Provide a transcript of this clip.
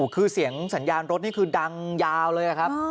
คือเสียงสัญญาณรถนี่คือดังยาวเลยครับ